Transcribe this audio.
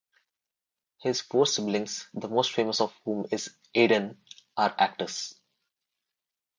His four siblings, the most famous of whom is Aidan, are actors.